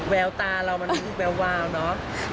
แววตาเรามันมีแวววาวเนอะ